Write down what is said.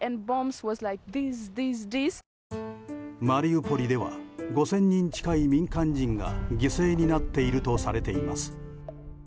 マリウポリでは５０００人近い民間人が犠牲になっているとされています。